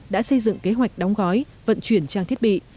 đã xây dựng kế hoạch đóng gói vận chuyển trang thiết bị